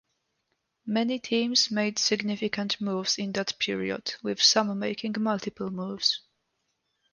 Many teams made significant moves in that period, with some making multiple moves.